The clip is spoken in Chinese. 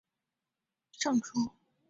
魏孝明帝时尚书左仆射。